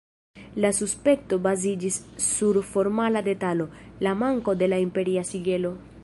La suspekto baziĝis sur formala detalo: "la manko de la imperia sigelo.